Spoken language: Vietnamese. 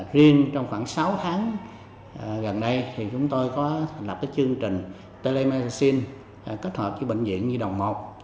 riêng trong khoảng sáu tháng gần đây chúng tôi có lập chương trình telemercin kết hợp với bệnh viện nhi đồng một